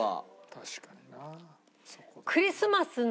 確かにな。